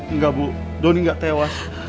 enggak bu doni nggak tewas